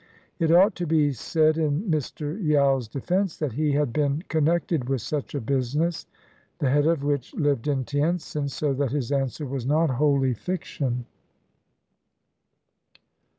[It ought to be said in Mr. Yao's defense that he had been connected with such a business, the head of which lived in Tientsin, so that his answer was not wholly fiction.